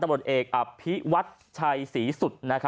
ตำรวจเอกอะพิวัธชัยศีสุธ